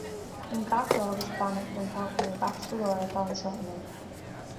Guím gach rath agus beannacht don todhchaí ar gach scoláire atá anseo inniu.